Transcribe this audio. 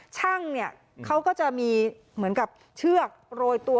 ช่างเนี่ยเขาก็จะมีเหมือนกับเชือกโรยตัว